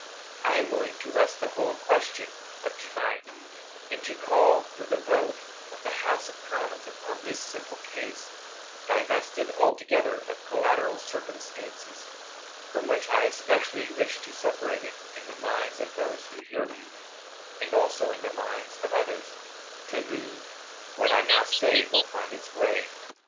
I am willing to rest the whole question of to night, and to call for the vote of the House of Commons upon this simple case, divested alto gether of collateral circumstances; from which I especially wish to separate it, in the minds of those who hear me, and also in the minds of others, to whom what I now say will find its way.